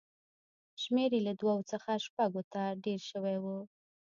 شمېر یې له دوو څخه شپږو ته ډېر شوی و